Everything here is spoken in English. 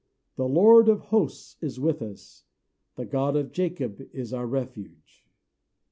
THE LORD OF HOSTS IS WITH US; THE GOD OF JACOB IS OUR REFUGE.